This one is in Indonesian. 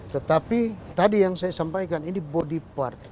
tetapi tadi yang saya sampaikan ini body part